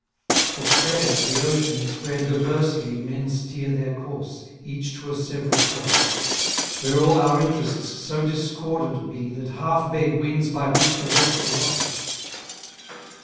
For Prayer the ocean is where diversely 5 Men steer their course, each to a sev'ral coast; Where all our interests so discordant be That half beg winds by which the rest are lost.